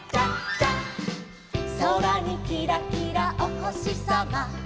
「そらにキラキラおほしさま」